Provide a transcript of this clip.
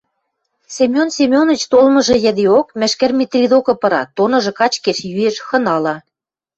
Семен Семеныч толмыжы йӹдеок Мӹшкӹр Митри докы пыра, тоныжы качкеш-йӱэш, хынала.